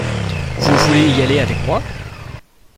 Vous voulez y aller avec moi ?